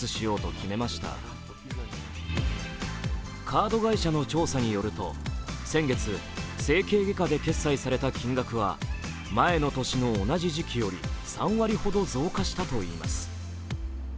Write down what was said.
カード会社の調査によると先月、整形外科で決済された金額は前の年の同じ時期より３割ほど増加したといいます。